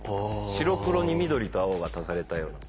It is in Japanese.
白黒に緑と青が足されたような。